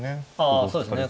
あそうですね